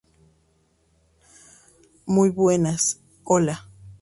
muy buenas. hola.